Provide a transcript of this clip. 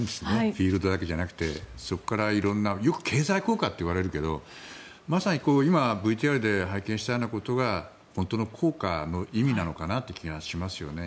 フィールドだけじゃなくてそこから色んなよく経済効果といわれるけどまさに今、ＶＴＲで拝見したようなことが本当の効果の意味なのかなという気がしますよね。